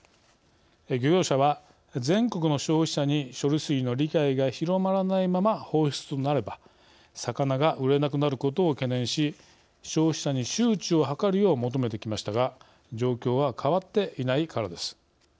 漁業者は、全国の消費者に処理水の理解が広まらないまま放出となれば魚が売れなくなることを懸念し消費者に周知を図るよう求めてきましたが状況は変わっていないからです。